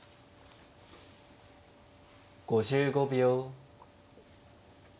５５秒。